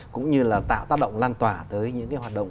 cũng như là tạo tác động lan tỏa tới những cái hoạt động